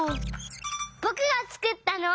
ぼくがつくったのは。